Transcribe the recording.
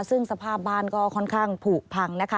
ซึ่งสภาพบ้านก็ค่อนข้างผูกพังนะคะ